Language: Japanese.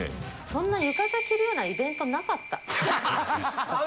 そんな浴衣着るようなイベントなかった。